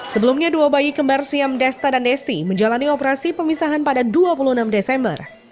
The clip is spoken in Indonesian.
sebelumnya dua bayi kembar siam desta dan desti menjalani operasi pemisahan pada dua puluh enam desember